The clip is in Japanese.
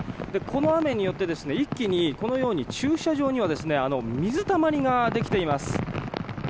この雨によって一気にこのように駐車場には水たまりができています。